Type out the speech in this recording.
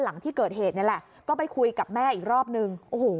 หลังที่เกิดเหตุนี่แหละก็ไปคุยกับแม่อีกรอบนึงโอ้โห